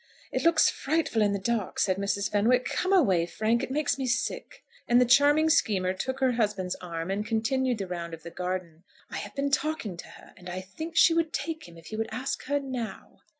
"It looks frightful in the dark," said Mrs. Fenwick. "Come away, Frank. It makes me sick." And the charming schemer took her husband's arm, and continued the round of the garden. "I have been talking to her, and I think she would take him if he would ask her now."